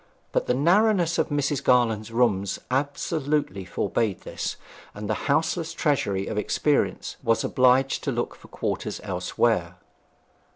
But the narrowness of Mrs. Garland's rooms absolutely forbade this, and the houseless treasury of experience was obliged to look for quarters elsewhere.